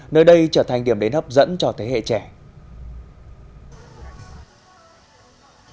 nơi đây trở thành điểm đến hấp dẫn cho thế giới đồng chí cộng sản